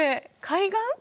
海岸？